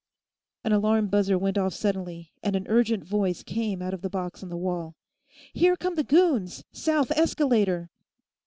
An alarm buzzer went off suddenly, and an urgent voice came out of the box on the wall: "Here come the goons! South escalator!"